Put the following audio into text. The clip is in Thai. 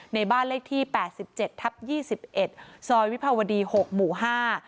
ในบ้านเลขที่แปดสิบเจ็ดทับยี่สิบเอ็ดซอยวิภาวดีหกหมู่ห้า